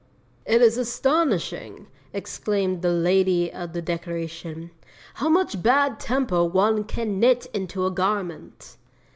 'It is astonishing,' exclaimed the 'Lady of the Decoration,' 'how much bad temper one can knit into a garment!'